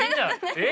えっ？